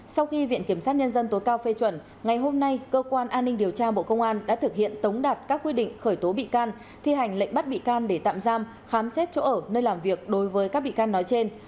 sau khi viện kiểm sát nhân dân tối cao phê chuẩn ngày hôm nay cơ quan an ninh điều tra bộ công an đã thực hiện tống đạt các quyết định khởi tố bị can thi hành lệnh bắt bị can để tạm giam khám xét chỗ ở nơi làm việc đối với các bị can nói trên